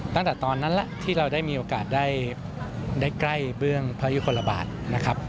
ตั้งแต่ตอนนั้นแหละที่เราได้มีโอกาสได้ใกล้เบื้องพระยุคลบาทนะครับ